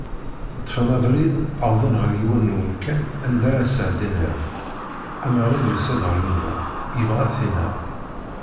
Ṭṭfen abrid, wwḍen ɣer yiwen n wemkan anda ara sɛeddin iḍ, Ameɣlal yusa-d ɣer Yuba, ibɣa ad t-ineɣ.